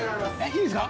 いいですか？